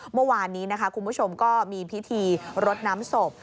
เมื่อวานนี้นะคะคุณผู้ชมก็มีพิธีรดน้ำศพ